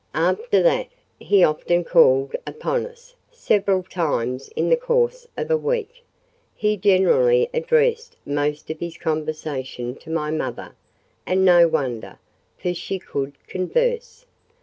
After that, he often called upon us—several times in the course of a week. He generally addressed most of his conversation to my mother: and no wonder, for she could converse.